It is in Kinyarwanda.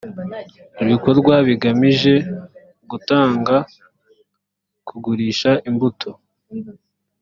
ibikorwa bigamije gutanga kugurisha imbuto